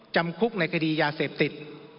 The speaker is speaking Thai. จำคุกในคดียาเสพติด